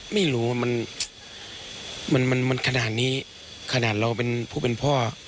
ไม่รู้ว่ามันมันขนาดนี้ขนาดเราเป็นผู้เป็นพ่อ